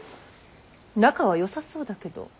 仲はよさそうだけど。